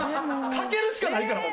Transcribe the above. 賭けるしかないから僕。